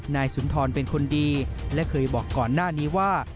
นายสุนทรเป็นคนดีและเคยบอกก่อนหน้านี้ว่า